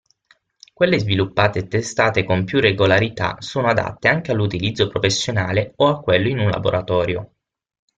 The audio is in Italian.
Quelle sviluppate e testate con più regolarità sono adatte anche all'utilizzo professionale o a quello in un laboratorio.